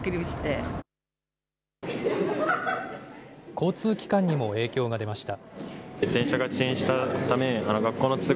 交通機関にも影響が出ました。